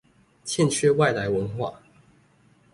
欠缺外來文化